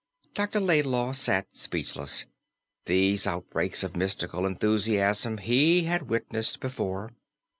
Dr. Laidlaw sat speechless. These outbursts of mystical enthusiasm he had witnessed before.